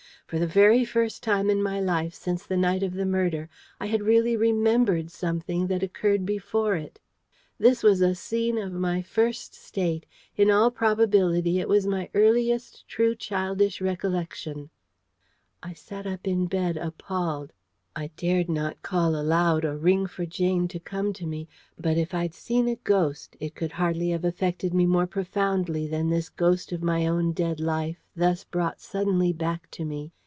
For the very first time in my life, since the night of the murder, I had really REMEMBERED something that occurred before it. This was a scene of my First State. In all probability it was my earliest true childish recollection. I sat up in bed, appalled. I dared not call aloud or ring for Jane to come to me. But if I'd seen a ghost, it could hardly have affected me more profoundly than this ghost of my own dead life thus brought suddenly back to me.